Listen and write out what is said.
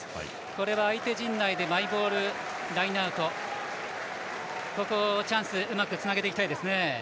これは、相手陣内でマイボールラインアウトチャンスうまくつなげていきたいですね。